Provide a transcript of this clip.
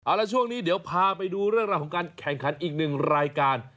แล้วช่วงนี้เดี๋ยวพาไปดูเรื่องราวของการแข่งขันอีกหนึ่งรายการ